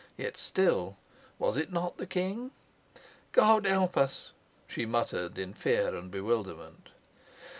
Yet still was it not the king? "God help us!" she muttered in fear and bewilderment.